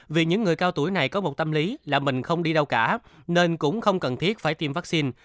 vì những người cao tuổi này có một tâm lý là mình không đi đâu cả nên cũng không cần thiết phải tiêm vaccine